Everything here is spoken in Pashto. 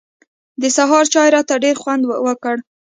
د سهار چای راته ډېر خوند وکړ.